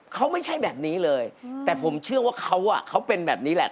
เขาไม่ใช่แบบนี้เลยแต่ผมเชื่อว่าเขาอ่ะเขาเป็นแบบนี้แหละ